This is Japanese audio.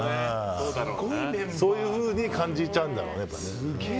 そういうふうに感じちゃうんだろうね。